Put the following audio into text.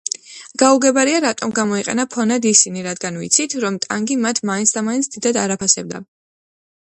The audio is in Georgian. გაუგებარია რატომ გამოიყენა ფონად ისინი, რადგან ვიცით, რომ ტანგი მათ მაინცდამაინც დიდად არ აფასებდა.